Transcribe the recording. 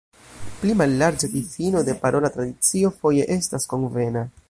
Pli mallarĝa difino de parola tradicio foje estas konvena.